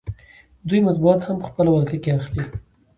دوی مطبوعات هم په خپله ولکه کې اخلي